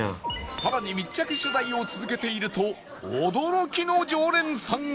さらに密着取材を続けていると驚きの常連さんが